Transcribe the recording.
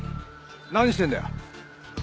何してんだよ？